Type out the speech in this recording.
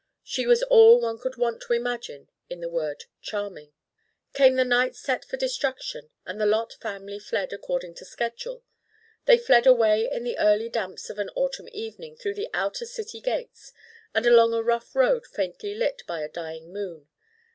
She was all one could want to imagine in the word charming. Came the night set for destruction and the Lot family fled according to schedule. They fled away in the early damps of an autumn evening through the outer city gates and along a rough road faintly lit by a dying moon.